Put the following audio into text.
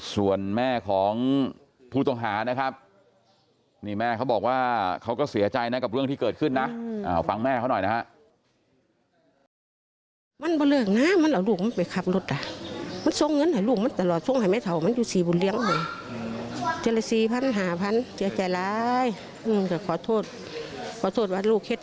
ส่วนแม่ของผู้ต้องหานะครับนี่แม่เขาบอกว่าเขาก็เสียใจนะกับเรื่องที่เกิดขึ้นนะฟังแม่เขาหน่อยนะฮะ